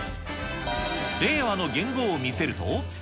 令和の元号を見せると。